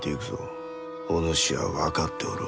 お主は分かっておろう？